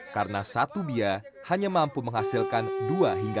karena satu biaya hanya mampu menghasilkan dua hingga